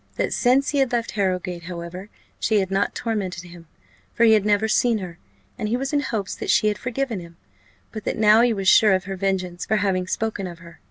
That since he had left Harrowgate, however, she had not tormented him, for he had never seen her, and he was in hopes that she had forgiven him; but that now he was sure of her vengeance for having spoken of her.